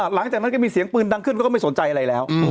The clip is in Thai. หลังจากนั้นก็มีเสียงปืนดังขึ้นเขาก็ไม่สนใจอะไรแล้ว